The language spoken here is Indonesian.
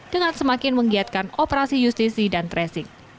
dengan semakin menggiatkan operasi justisi dan tracing